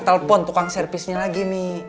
telepon tukang servisnya lagi nih